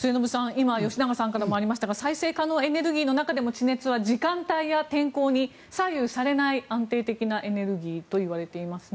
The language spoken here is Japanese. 今、吉永さんからもありましたが再生可能エネルギーの中でも地熱は時間帯や天候に左右されない安定的なエネルギーといわれていますね。